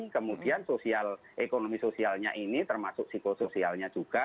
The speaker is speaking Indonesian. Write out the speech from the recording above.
kemudian sosial ekonomi sosialnya ini termasuk psikosoialnya juga